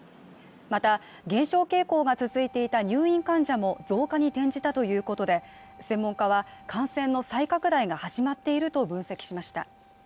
また、減少傾向が続いていた入院患者も増加に転じたということで専門家は感染の再拡大が始まっていると分析しました。